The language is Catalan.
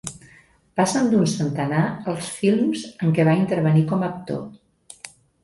Passant d'un centenar els films en què va intervenir com a actor.